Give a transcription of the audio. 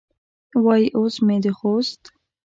وایي اوس مې د خوست